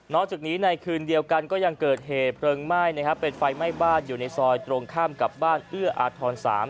จากนี้ในคืนเดียวกันก็ยังเกิดเหตุเพลิงไหม้นะครับเป็นไฟไหม้บ้านอยู่ในซอยตรงข้ามกับบ้านเอื้ออาทร๓